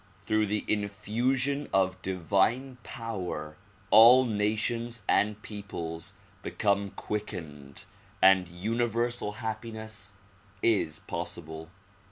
Through the infusion of divine power all nations and peoples become quickened and universal happiness is possible.